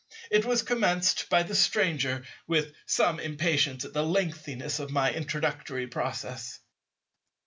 It was commenced by the Stranger with some impatience at the lengthiness of my introductory process.